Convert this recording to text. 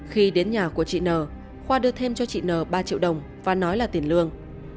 khi đến nhà của chị nờ khoa đưa thêm cho chị n ba triệu đồng và nói là tiền lương